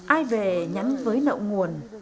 ai về nhắn với nộng nguồn